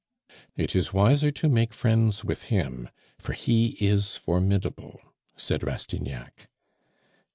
"It is wiser to make friends with him, for he is formidable," said Rastignac.